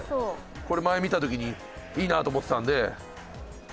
これ前見た時にいいなと思ってたんで。